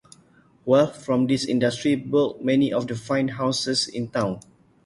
Wealth from this industry built many of the fine houses in town.